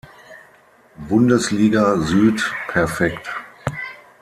Bundesliga Süd perfekt.